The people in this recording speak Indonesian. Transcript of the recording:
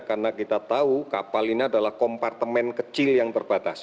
karena kita tahu kapal ini adalah kompartemen kecil yang terbatas